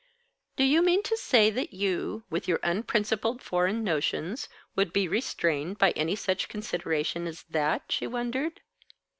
"Do you mean to say that you, with your unprincipled foreign notions, would be restrained by any such consideration as that?" she wondered.